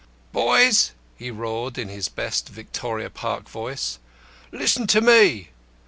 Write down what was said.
"Boys!" he roared, in his best Victoria Park voice, "listen to me.